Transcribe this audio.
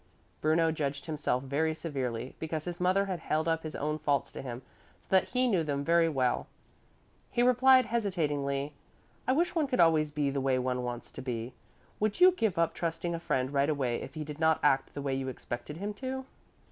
Bruno judged himself very severely, because his mother had held up his own faults to him so that he knew them very well. He replied hesitatingly, "I wish one could always be the way one wants to be. Would you give up trusting a friend right away if he did not act the way you expected him to?"